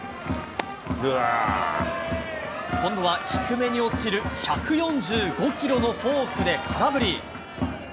今度は低めに落ちる１４５キロのフォークで空振り。